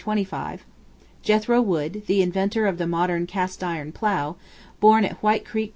Jethro Wood, the inventor of the modern cast iron plow, born at White Creek, N.